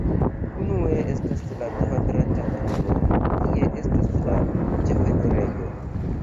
Unue estas la kvadrata turo, kie estas la ĉefenirejo.